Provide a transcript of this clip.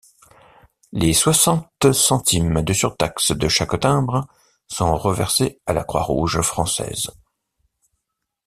Les soixante centimes de surtaxe de chaque timbre sont reversés à la Croix-Rouge française.